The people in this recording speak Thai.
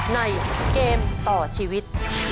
ในเกมต่อชีวิต